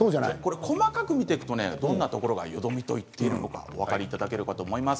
細かく見ていくとどんなところがよどみといっているのかお分かりいただけるかと思います。